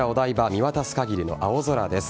見渡す限りの青空です。